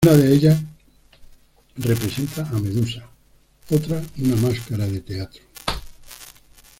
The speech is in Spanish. Una de ellas representa a Medusa, otra una máscara de teatro.